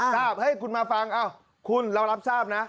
เฮ้ยคุณมาฟังคุณเรารับทราบนะ